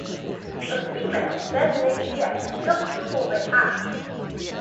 The female then lays the eggs just before they hatch.